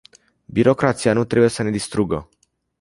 Birocrația nu trebuie să ne distrugă.